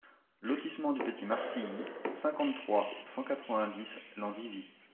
Lotissement du Petit Marcilly, cinquante-trois, cent quatre-vingt-dix Landivy